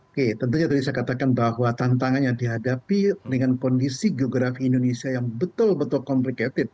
oke tentunya tadi saya katakan bahwa tantangan yang dihadapi dengan kondisi geografi indonesia yang betul betul complicated